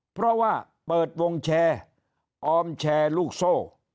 เพราะว่าเปิดวงแชร์ออมแชร์ลูกโซ่